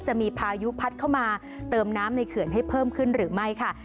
จะมีพายุพัดเข้ามาเติมน้ำในเขื่อนให้เพิ่มขึ้นหรือไม่ค่ะ